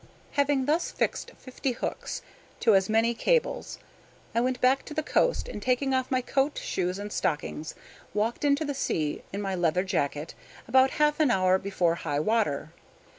Having thus fixed fifty hooks to as many cables, I went back to the coast, and taking off my coat, shoes, and stockings, walked into the sea in my leather jacket about half an hour before high water.